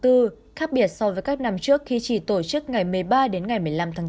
trước khi chỉ tổ chức ngày một mươi ba đến ngày một mươi năm tháng bốn